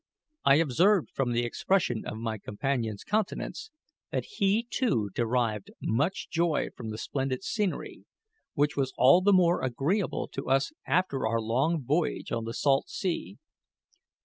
I observed, from the expression of my companion's countenance, that he too derived much joy from the splendid scenery, which was all the more agreeable to us after our long voyage on the salt sea.